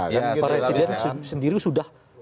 pak residen sendiri sudah